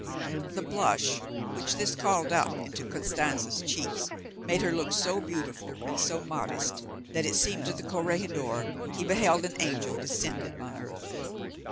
The blush which this called up into Costanza's cheeks, made her look so beautiful and so modest that it seemed to the corregidor he beheld an angel descended on earth.